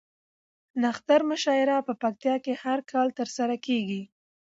نښتر مشاعره په پکتيا کې هر کال ترسره کیږي